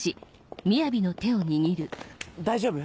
大丈夫？